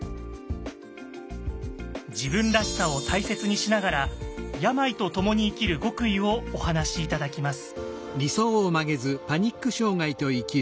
自分らしさを大切にしながら病と共に生きる極意をお話し頂きます。